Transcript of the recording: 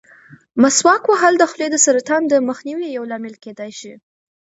مسواک وهل د خولې د سرطان د مخنیوي یو لامل کېدای شي.